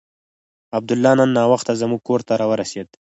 عبدالله نن ناوخته زموږ کور ته راورسېد.